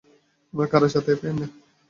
উনার কারোর সাথে অ্যাফেয়ার নেই।